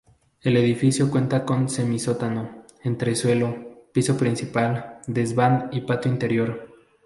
El edificio cuenta con semisótano, entresuelo, piso principal, desván y patio interior.